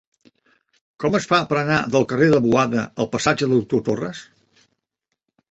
Com es fa per anar del carrer de Boada al passatge del Doctor Torres?